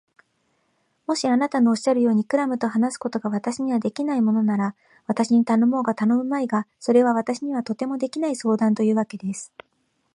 もしあなたのおっしゃるように、クラムと話すことが私にはできないものなら、私に頼もうが頼むまいが、それは私にはとてもできない相談というわけです。